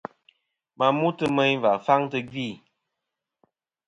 Ma mutɨ meyn wù faŋ tɨ̀ gvì.